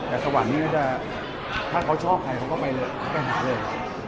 แต่สวรรค์นี้ถ้าเขาชอบใครเขาก็ไปหาเลย